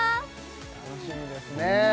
楽しみですね